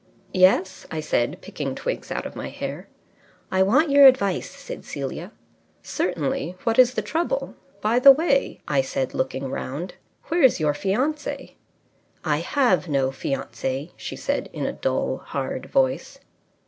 "Yes?" I said, picking twigs out of my hair. "I want your advice," said Celia. "Certainly. What is the trouble? By the way," I said, looking round, "where is your fiance?" "I have no fiance," she said, in a dull, hard voice.